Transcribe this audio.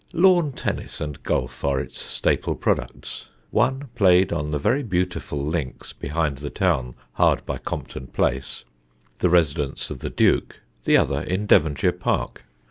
Lawn tennis and golf are its staple products, one played on the very beautiful links behind the town hard by Compton Place, the residence of the Duke; the other in Devonshire Park.